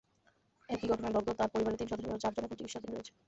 একই ঘটনায় দগ্ধ তার পরিবারের তিন সদস্যসহ চারজন এখনো চিকিৎসাধীন রয়েছে।